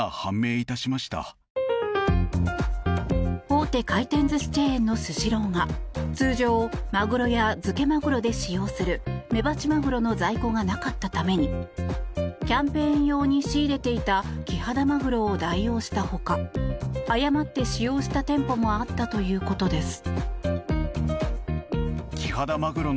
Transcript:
大手回転寿司チェーンのスシローが通常、マグロや漬けマグロで使用するメバチマグロの在庫がなかったためにキャンペーン用に仕入れていたキハダマグロを代用したほか誤って使用した店舗もあったということです。